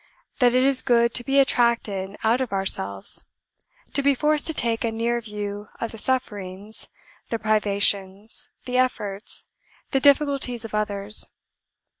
that it is good to be attracted out of ourselves to be forced to take a near view of the sufferings, the privations, the efforts, the difficulties of others.